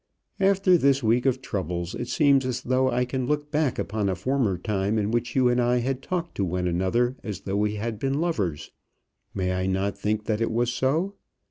After this week of troubles it seems as though I can look back upon a former time in which you and I had talked to one another as though we had been lovers. May I not think that it was so?